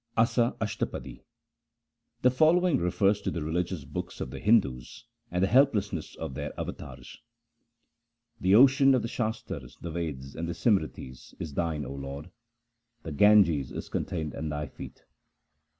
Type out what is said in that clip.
Asa Ashtapadi The following refers to the religious books of the Hindus and the helplessness of their avatars :— The ocean of the Shastars, the Veds, and the Simritis is Thine, O Lord ; the Ganges is contained in Thy feet.